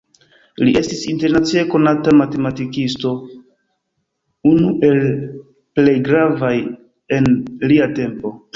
Li estis internacie konata matematikisto, unu el plej gravaj en lia tempo.